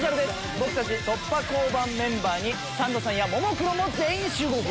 僕たち突破交番メンバーにサンドさんやももクロも集合！